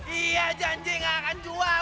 iya janji gak akan jual